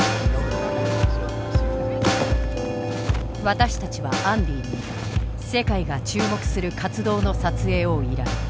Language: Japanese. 私たちはアンディに世界が注目する活動の撮影を依頼。